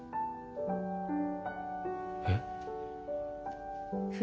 えっ？